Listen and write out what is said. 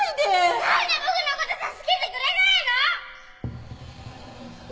何で僕のこと助けてくれないの！